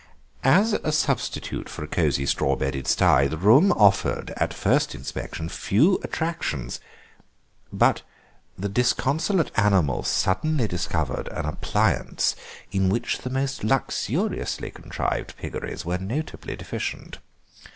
As a substitute for a cosy, straw bedded sty the room offered, at first inspection, few attractions, but the disconsolate animal suddenly discovered an appliance in which the most luxuriously contrived piggeries were notably deficient.